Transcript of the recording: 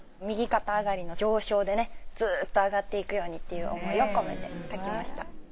右肩上がりの上昇でねずっと上がっていくようにという思いを込めて書きました。